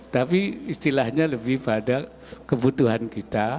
tapi istilahnya lebih pada kebutuhan kita